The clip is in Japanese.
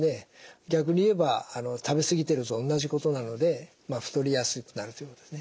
逆に言えば食べ過ぎてるとおんなじことなので太りやすくなるということでね。